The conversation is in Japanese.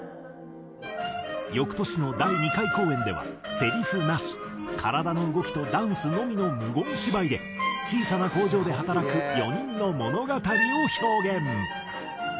翌年の第２回公演ではセリフなし体の動きとダンスのみの無言芝居で小さな工場で働く４人の物語を表現。